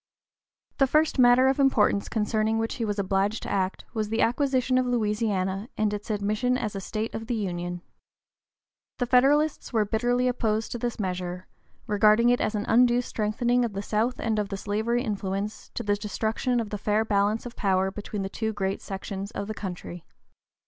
The first matter of importance concerning which he was obliged to act was the acquisition of Louisiana and its admission as a state of the Union. The Federalists were bitterly opposed to this measure, regarding it as an undue strengthening of the South and of the slavery influence, to the destruction of the fair balance of power between the two great sections of the country.